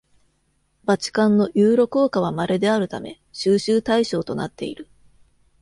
バチカンのユーロ硬貨は稀であるため、収集対象となっている。